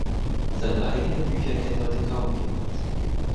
Seine eigenen Bücher kennt heute kaum jemand.